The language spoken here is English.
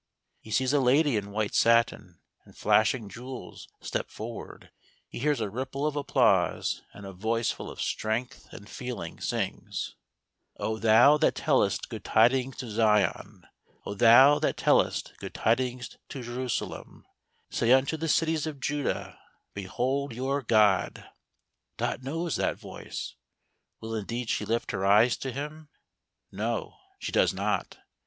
He sees a lady in white satin and flashing jewels step forward : he hears a ripple of applause, and a voice full of strength and feeling sings :" O thou that tellest good tidmgs to Zion, O thoti that tellest good tidings to Jerusa lem, say unto the cities of Judah, Behold your God I " Dot knows that voice. Will indeed she lift her eyes to him } No, she does not.